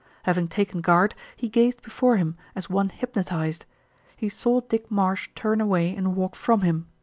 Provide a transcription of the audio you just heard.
Having taken guard, he gazed before him as one hyp notised. He saw Dick Marsh turn away and walk from him.